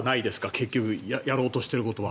結局、やろうとしていることは。